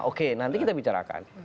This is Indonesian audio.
oke nanti kita bicarakan